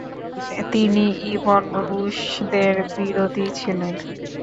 তিনি ইবন রুশদের বিরোধী ছিলেন।